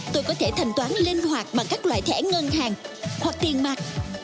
tôi có thể thành toán linh hoạt bằng các loại thẻ ngân hàng hoặc tiền mặt